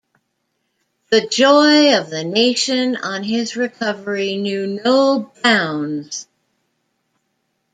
The joy of the nation on his recovery knew no bounds.